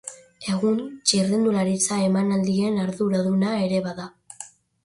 Egun, txirrindularitza emanaldien arduraduna ere bada.